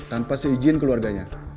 tanpa seijin keluarganya